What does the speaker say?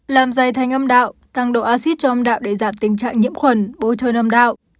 làm dày thành âm đạo tăng độ acid cho ông đạo để giảm tình trạng nhiễm khuẩn bôi thơ âm đạo